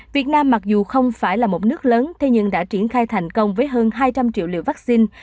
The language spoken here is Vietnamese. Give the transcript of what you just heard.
việt nam mặc dù không phải là một nước lớn thế nhưng đã triển khai thành công với hơn hai trăm linh triệu liều vaccine